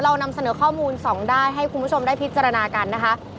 เรานำเสนอข้อมูลสองด้านให้คุณผู้ชมได้พิจารณากันนะคะ